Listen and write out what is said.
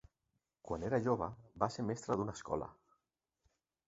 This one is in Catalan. Quan era jove, va ser mestre d'una escola.